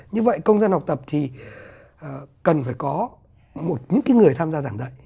như vậy công dân học tập thì cần phải có một những cái người tham gia giảng dạy